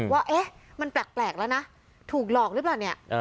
ว่าเอ๊ะมันแปลกแล้วนะถูกหลอกหรือเปล่าเนี่ย